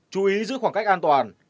chú ý giữ khoảng cách an toàn